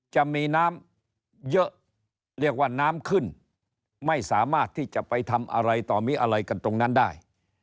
จะมีน้ำเยอะเรียกว่าน้ำขึ้นไม่สามารถที่จะไปทำอะไรต่อมีอะไรกันตรงนั้นได้